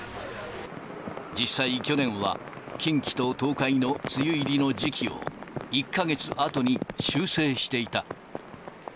実際、去年は近畿と東海の梅雨入りの時期を、１か月あとに修正していた。